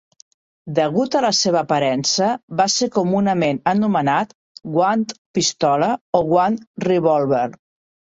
Degut a la seva aparença, va ser comunament anomenat "Guant Pistola" o "Guant Revòlver".